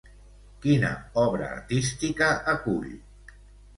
Quina obra artística acull?